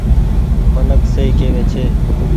منک سئي ڪيوي ڇي۔